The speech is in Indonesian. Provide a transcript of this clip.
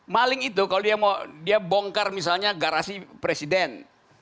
maling itu kalau dia mau dia bongkar misalnya garasi presiden